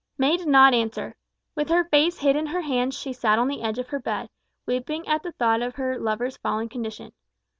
May did not answer. With her face hid in her hands she sat on the edge of her bed, weeping at the thought of her lover's fallen condition.